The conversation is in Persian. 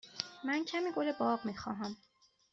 من کمی گل باغ می خواهم.